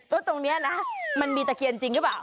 ตรงนี้นะมันมีตะเคียนจริงหรือเปล่า